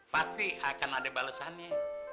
pasti akan ada balesannya